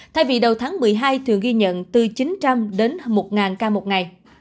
thay vì đầu tháng một mươi hai thường ghi nhận từ chín trăm linh một nghìn ca mỗi ngày